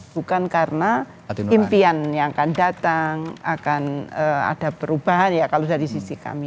bukan karena impian yang akan datang akan ada perubahan ya kalau dari sisi kami